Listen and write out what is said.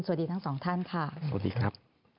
สวัสดีทั้งสองท่านค่ะสวัสดีครับ